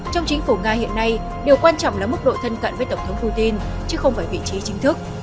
trong chính phủ nga hiện nay điều quan trọng là mức độ thân cận với tổng thống putin chứ không phải vị trí chính thức